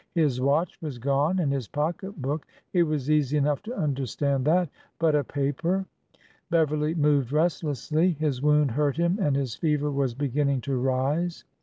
His watch was gone, and his pocket book. It was easy enough to understand that ; but a paper — Beverly moved restlessly. His wound hurt him and his fever was beginning to rise.